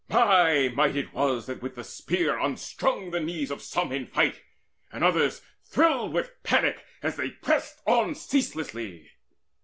My might it was that with the spear unstrung The knees of some in fight, and others thrilled With panic as they pressed on ceaselessly.